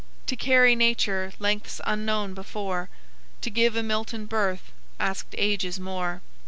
To carry nature lengths unknown before, To give a Milton birth, asked ages more.